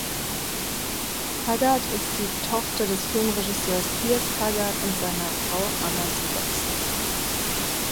Haggard ist die Tochter des Filmregisseurs Piers Haggard und seiner Frau Anna Sklovsky.